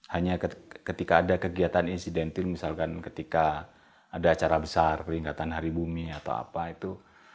hanya ketika ada kegiatan insidentil misalkan ketika ada acara besar peringatan hari bumi atau apa itu